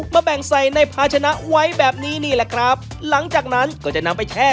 แบ่งใส่ในภาชนะไว้แบบนี้นี่แหละครับหลังจากนั้นก็จะนำไปแช่